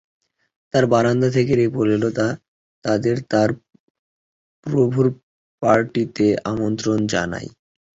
একটা বারান্দা থেকে লেপোরেলো তাদের তার প্রভুর পার্টিতে আমন্ত্রণ জানায়।